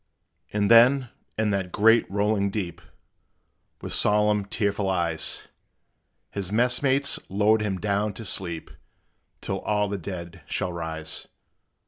And then, in that great, rolling deep, With solemn, tearful eyes, His mess mates lowered him down, to sleep Till all the dead shall rise.